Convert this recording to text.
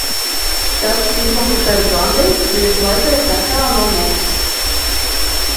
Tas izmukušais bandīts bija slēpies netālu no mums!